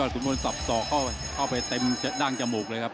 ต้องเสบโสกเข้าไปเข้าไปเต็มด้านจมูกเลยครับ